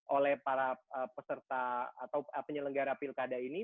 oleh para peserta atau penyelenggara pilkada ini